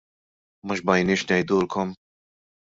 Ma xbajniex ngħidulkom!